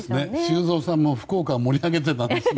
修造さんも福岡を盛り上げてたんですね。